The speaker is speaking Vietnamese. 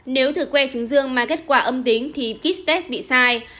nếu thử que chứng dương mà kết quả âm tính thì kit test bị sai